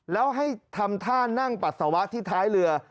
แล้วให้ทำท่านั่งปัสสาวะที่ท้ายเรือ